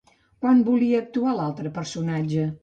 Quan volia actuar l'altre personatge?